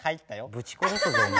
ぶち殺すぞお前。